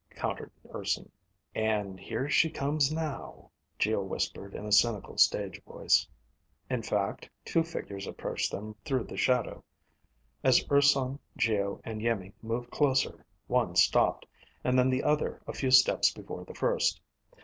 countered Urson. "... and here she comes now," Geo whispered in a cynical stage voice. In fact two figures approached them through the shadow. As Urson, Geo and Iimmi moved closer, one stopped, and then the other a few steps before the first.